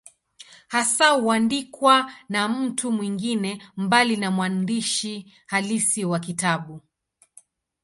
Hasa huandikwa na mtu mwingine, mbali na mwandishi halisi wa kitabu.